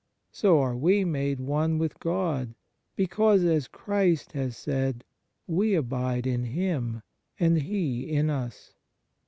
So are we made one with God, because, as Christ has said, we abide in Him and He in us.